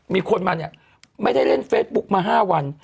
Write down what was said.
มีคนมาเนี่ยไม่ได้เล่นเฟซบุ๊กมา๕วัน